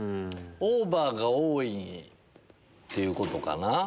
オーバーが多いっていうことかな。